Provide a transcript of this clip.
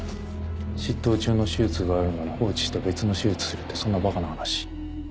執刀中の手術があるのに放置して別の手術するってそんなばかな話。